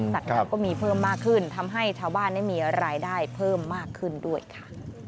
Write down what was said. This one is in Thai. น้ำก็มีเพิ่มมากขึ้นทำให้ชาวบ้านได้มีรายได้เพิ่มมากขึ้นด้วยค่ะ